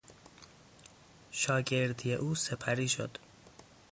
شاگردی او سپری شد.